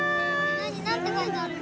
何て書いてあるの？